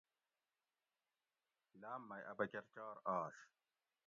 لاۤم مئ اۤ بکۤر چار آش